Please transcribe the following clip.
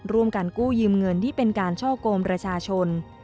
ร่วมกันกู้ยืมเงินที่เป็นการช่อกงประชาชน